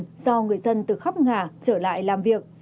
do người dân từ khắp ngả trở lại làm việc